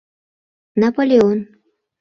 Наполеон.